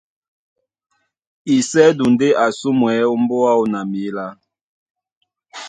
Isɛ́du ndé a ásumwɛ́ ómbóá áō na mǐlá,